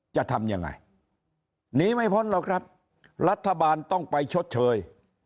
จะทำยังไงหนีไม่พ้นหรอกครับรัฐบาลต้องไปชดเชย